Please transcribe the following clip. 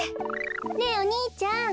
ねえお兄ちゃん。